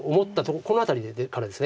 この辺りからです。